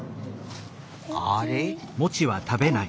あれ？